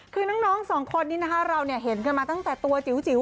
คือน้องสองคนนี้นะคะเราเห็นกันมาตั้งแต่ตัวจิ๋ว